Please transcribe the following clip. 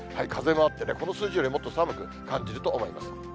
風があってね、この数字よりもっと寒く感じると思います。